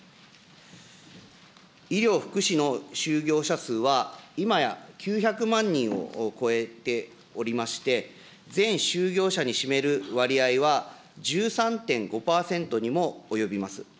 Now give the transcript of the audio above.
医療・福祉の就業者数は、今や９００万人を超えておりまして、全就業者に占める割合は、１３．５％にも及びます。